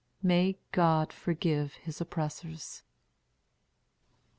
May God forgive his oppressors.